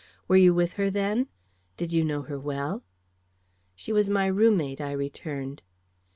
Were you with her then? Did you know her well?" "She was my room mate," I returned.